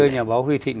thưa nhà bác huy thịnh